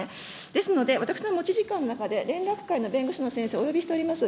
ですので、私の持ち時間の中で、連絡会の弁護士の先生をお呼びしております。